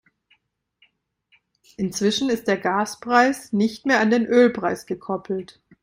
Inzwischen ist der Gaspreis nicht mehr an den Ölpreis gekoppelt.